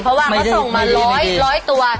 เพราะว่าเขาส่งมาร้อยร้อยตัว